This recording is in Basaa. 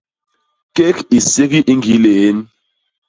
Kék i ségi i ñgii lién.